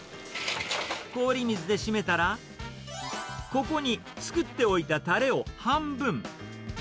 氷水で締めたら、ここに作っておいたたれを半分。